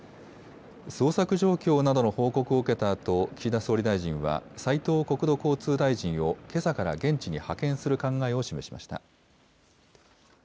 捜索状況などの報告を受けたあと、岸田総理大臣は、斉藤国土交通大臣をけさから現地に派遣する考えを示しました。